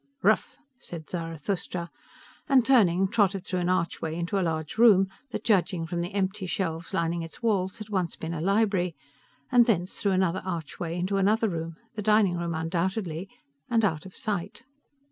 "Ruf," said Zarathustra, and turning, trotted through an archway into a large room that, judging from the empty shelves lining its walls, had once been a library, and thence through another archway into another room the dining room, undoubtedly and out of sight.